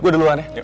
gue duluan ya